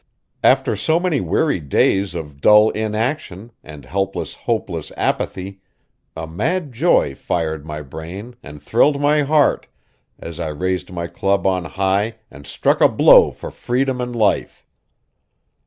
After so many weary days of dull inaction and helpless, hopeless apathy, a mad joy fired my brain and thrilled my heart as I raised my club on high and struck a blow for freedom and life.